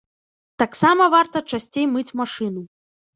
Таксама варта часцей мыць машыну.